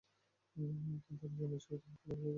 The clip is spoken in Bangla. কিন্তু অন্যের অসুবিধে হতে লাগল যে।